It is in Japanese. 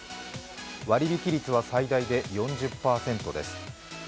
割引率は最大で４０％です。